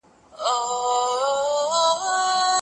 که هغه شرط پوره سو، نو طلاق واقع کيږي.